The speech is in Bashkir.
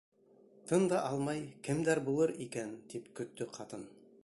Тын да алмай, кемдәр булыр икән, тип көттө ҡатын.